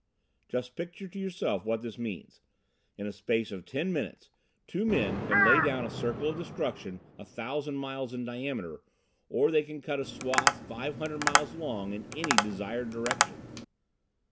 "Just picture to yourself what this means! In a space of ten minutes two men can lay down a circle of destruction a thousand miles in diameter; or they can cut a swath five hundred miles long in any desired direction."